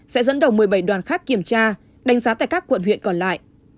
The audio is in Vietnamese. sẽ dẫn đầu một mươi bảy đoàn khác kiểm tra đánh giá tại các quận huyện còn lại